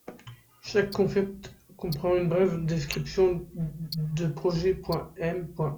Chaque concept comprend une brève description de projet.M.